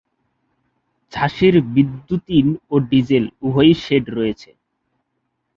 ঝাঁসির বৈদ্যুতিন ও ডিজেল উভয়ই শেড রয়েছে।